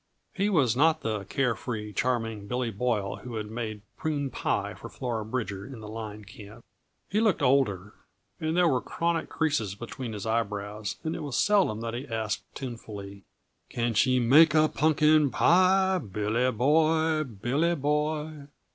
He was not the care free Charming Billy Boyle who had made prune pie for Flora Bridger in the line camp. He looked older, and there were chronic creases between his eyebrows, and it was seldom that he asked tunefully "Can she make a punkin pie, Billy boy, Billy Boy?"